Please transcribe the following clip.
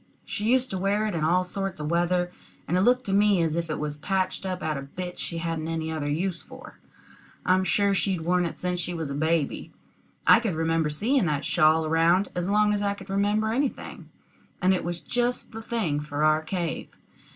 She used to wear it in all sorts of weather, and it looked to me as if it was patched up out of bits that she hadn't any other use for. I'm sure she'd worn it since she was a baby. I could remember seeing that shawl around as long as I could remember anything, and it was just the thing for our cave.